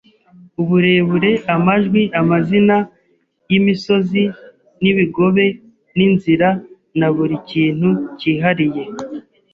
uburebure, amajwi, amazina y'imisozi n'ibigobe n'inzira, na buri kintu cyihariye